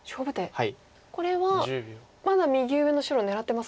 これはまだ右上の白狙ってますか。